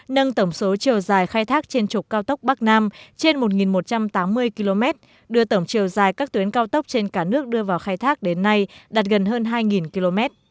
nâng tổng số chiều dài khai thác trên trục cao tốc bắc nam trên một một trăm tám mươi km đưa tổng chiều dài các tuyến cao tốc trên cả nước đưa vào khai thác đến nay đạt gần hơn hai km